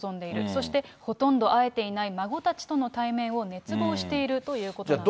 そしてほとんど会えていない孫たちとの対面を熱望しているということなんですね。